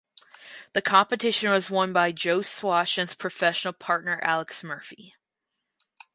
The competition was won by Joe Swash and his professional partner Alex Murphy.